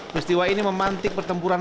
peristiwa ini memantik pertempuran